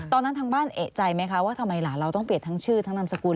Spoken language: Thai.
ตอนนั้นทางบ้านเอกใจไหมคะว่าทำไมหลานเราต้องเปลี่ยนทั้งชื่อทั้งนามสกุล